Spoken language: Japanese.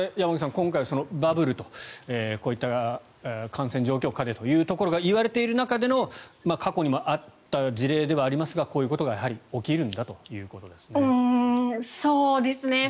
今回はバブルとこういった感染状況下でということが言われている中での過去にもあった事例ではありますがこういうことがやはり起きるんだということですね。